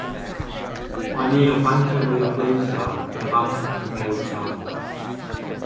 Mae'n un o'r banciau mwyaf blaenllaw yn y farchnad cyfnewid tramor.